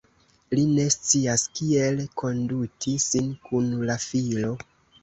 Li ne scias kiel konduti sin kun la filo.